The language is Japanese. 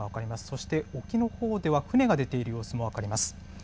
そして沖のほうでは船が出ている様子も分かります。